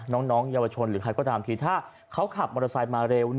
น้องเยาวชนหรือใครก็ตามทีถ้าเขาขับมอเตอร์ไซค์มาเร็ว